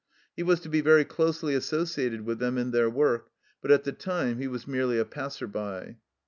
He was to be very closely associated with them in their work, but at the time he was merely a passer by.